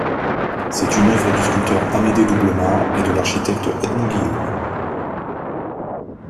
C’est une œuvre du sculpteur Amédée Doublemard et de l'architecte Edmond Guillaume.